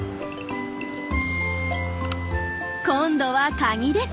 今度はカニです。